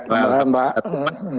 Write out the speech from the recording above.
selamat malam mbak